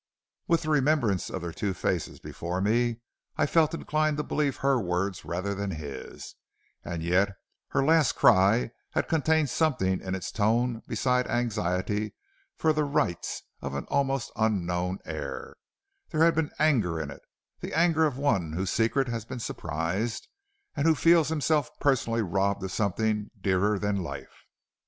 With the remembrance of their two faces before me, I felt inclined to believe her words rather than his, and yet her last cry had contained something in its tone beside anxiety for the rights of an almost unknown heir; there had been anger in it, the anger of one whose secret has been surprised and who feels himself personally robbed of something dearer than life.